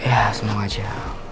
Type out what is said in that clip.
ya semoga aja